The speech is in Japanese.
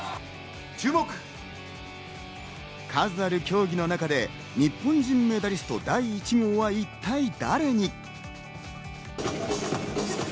数ある競技の中で日本人メダリスト第１号は一体誰に。